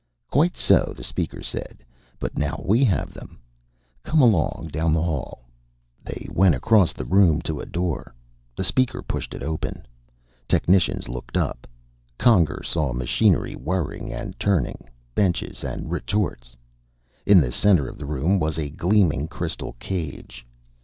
"Quite so," the Speaker said. "But now we have them. Come along down the hall." They went across the room to a door. The Speaker pushed it open. Technicians looked up. Conger saw machinery, whirring and turning; benches and retorts. In the center of the room was a gleaming crystal cage.